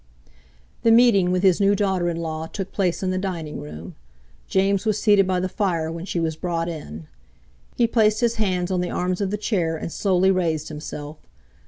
The meeting with his new daughter in law took place in the dining room. James was seated by the fire when she was brought in. He placed, his hands on the arms of the chair and slowly raised himself.